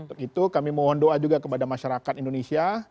untuk itu kami mohon doa juga kepada masyarakat indonesia